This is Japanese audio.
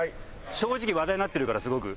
正直話題になってるからすごく。